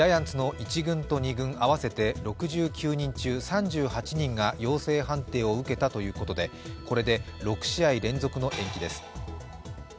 ジャイアンツの１軍と２軍合わせて６９人中、３８人が陽性判定を受けたということでこれで６試合連続の延期です。